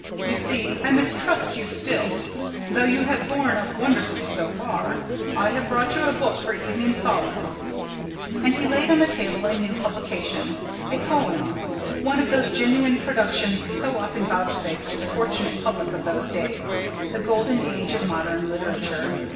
You see, I mistrust you still, though you have borne up wonderfully so far. I have brought you a book for evening solace," and he laid on the table a new publication—a poem: one of those genuine productions so often vouchsafed to the fortunate public of those days—the golden age of modern literature.